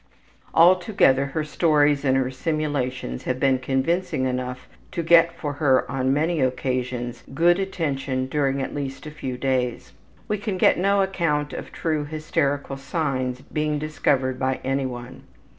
Altogether her stories and her simulations have been convincing enough to get for her on many occasions good attention during at least a few days. We can get no account of true hysterical signs being discovered by any one.